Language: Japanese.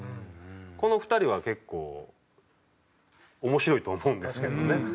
この２人は結構面白いと思うんですけどね。